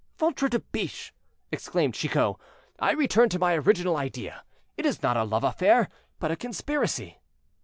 "Ventre de biche!" exclaimed Chicot, "I return to my original idea,—it is not a love affair, but a conspiracy.